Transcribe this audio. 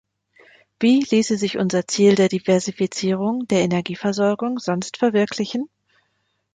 Wie ließe sich unser Ziel der Diversifizierung der Energieversorgung sonst verwirklichen?